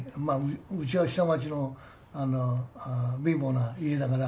うちは下町の貧乏な家だから。